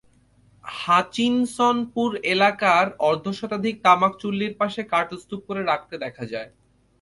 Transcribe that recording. হাচিনসনপুর এলাকার অর্ধশতাধিক তামাক চুল্লির পাশে কাঠ স্তূপ করে রাখতে দেখা যায়।